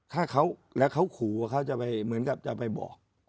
ฆ่าเขาแล้วเขาขู่ว่าเขาจะไปเหมือนกับจะไปบอก